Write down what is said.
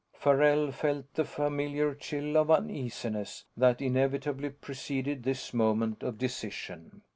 Farrell felt the familiar chill of uneasiness that inevitably preceded this moment of decision.